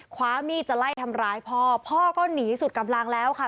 คว้ามีดจะไล่ทำร้ายพ่อพ่อก็หนีสุดกำลังแล้วค่ะ